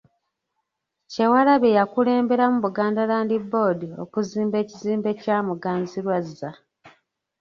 Kyewalabye yakulemberamu Buganda Land Board okuzimba ekizimbe kya Muganzirwazza.